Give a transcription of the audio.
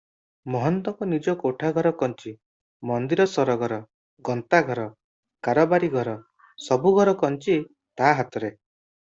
ମହନ୍ତଙ୍କ ନିଜ କୋଠଘର କଞ୍ଚି, ମନ୍ଦିର ସରଘର, ଗନ୍ତାଘର, କାରବାରୀ ଘର, ସବୁଘର କଞ୍ଚି ତା ହାତରେ ।